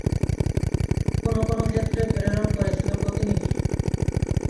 কোনো কোনো ক্ষেত্রে প্রেরণ করেছিল প্রতিনিধি।